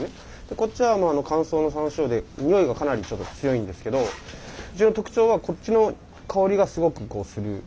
こっちは乾燥の山椒でにおいがかなりちょっと強いんですけどうちの特徴はこっちの香りがすごくこうする。